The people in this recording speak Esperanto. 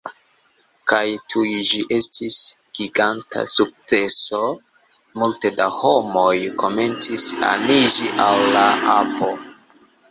Kaj tuj ĝi estis giganta sukceso! Multe da homoj komencis aniĝi al la apo